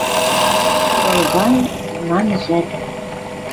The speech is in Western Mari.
Тыл гань знамӹжӓт.